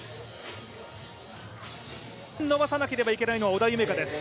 伸ばさなければいけないのは織田夢海です。